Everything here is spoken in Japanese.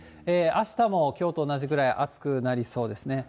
あしたもきょうと同じくらい暑くなりそうですね。